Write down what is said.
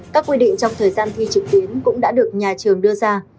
các quy định trong thời gian thi trực tuyến cũng đã được nhà trường đưa ra